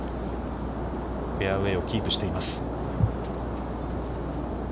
フェアウェイをキープしています。